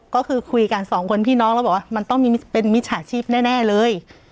ก็คือคุยกันสองคนพี่น้องแล้วบอกว่ามันต้องมีเป็นมิจฉาชีพแน่เลย